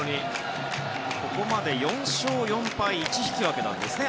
ここまで４勝４敗１引き分けなんですね。